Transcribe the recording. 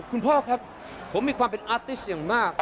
คุณพ่อครับผมมีความเป็นอาร์ติชอย่างมาก